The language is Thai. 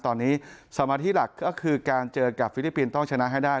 ตอนนี้สมาธิหลักก็คือการเจอกับฟิลิปปินส์ต้องชนะให้ได้